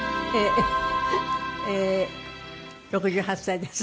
６８歳です。